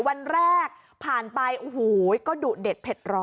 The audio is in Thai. วันแรกผ่านไปโอ้โหก็ดุเด็ดเผ็ดร้อน